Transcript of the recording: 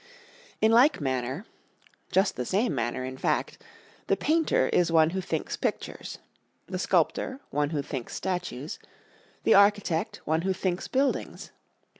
In like manner just the same manner, in fact the painter is one who thinks pictures; the sculptor, one who thinks statues; the architect, one who thinks buildings.